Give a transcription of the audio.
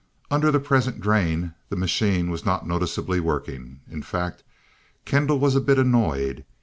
Under the present drain, the machine was not noticeably working. In fact, Kendall was a bit annoyed.